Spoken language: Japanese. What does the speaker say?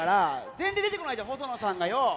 全然出てこないじゃん細野さんがよう。